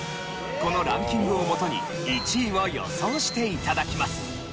このランキングをもとに１位を予想して頂きます。